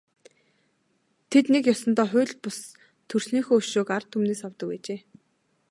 Тэд нэг ёсондоо хууль бус төрснийхөө өшөөг ард түмнээс авдаг байжээ.